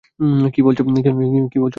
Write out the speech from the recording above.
কী বলছো বলো তো?